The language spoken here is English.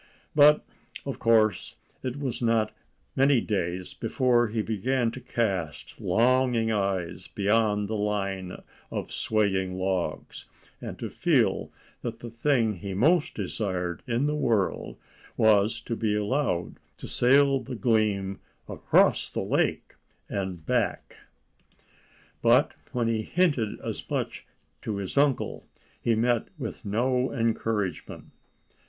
But of course it was not many days before he began to cast longing eyes beyond the line of swaying logs, and to feel that the thing he most desired in the world was to be allowed to sail the Gleam across the lake and back. But when he hinted as much to his uncle he met with no encouragement.